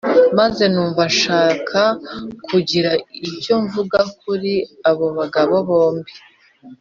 maze numva nshaka kugira icyo mvuga kuri abo bagabo bombi